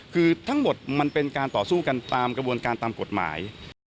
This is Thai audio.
คือทั้งหมดมันเป็นการต่อสู้กันตามกระบวนการตามกฎหมาย